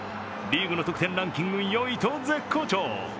リーグの得点ランキング４位と絶好調。